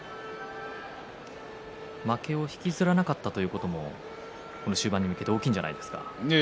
負けを引きずらなかったということも終盤に向けて大きいんじゃないですか？